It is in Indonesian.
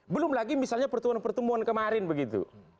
belum lagi misalnya pertemuan pertemuan kemarin begitu